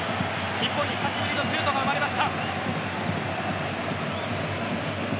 日本に久しぶりのシュートが生まれました。